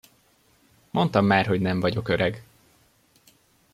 Mondtam már, hogy nem vagyok öreg!